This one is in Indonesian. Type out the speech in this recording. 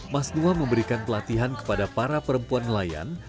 mas nua memberikan pelatihan kepada para perempuan nelayan